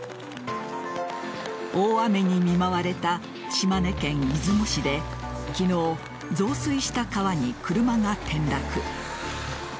大雨に見舞われた島根県出雲市で昨日、増水した川に車が転落。